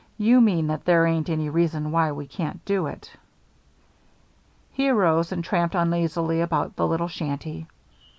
"You mean that there ain't any reason why we can't do it." He arose and tramped uneasily about the little shanty.